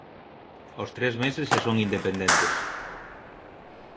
Aos tres meses xa son independentes.